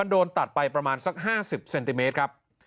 โดนตัดไปประมาณสัก๕๐เซนติเมตรครับ